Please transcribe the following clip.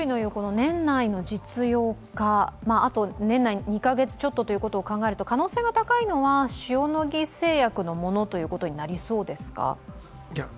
年内あと２カ月ちょっとということを考えると可能性が高いのは塩野義製薬のものということになりそうですか？